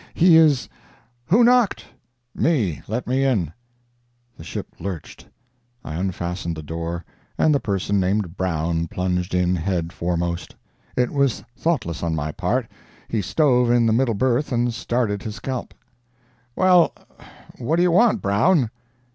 He is— "Who knocked?" "Me—let me in." The ship lurched, I unfastened the door, and the person named Brown plunged in head foremost. It was thoughtless on my part. He stove in the middle berth and started his scalp. "Well, what do you want, Brown?"